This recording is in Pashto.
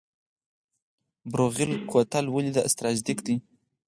بروغیل کوتل ولې استراتیژیک دی؟